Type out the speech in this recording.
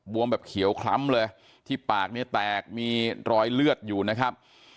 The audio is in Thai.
วมแบบเขียวคล้ำเลยที่ปากเนี่ยแตกมีรอยเลือดอยู่นะครับ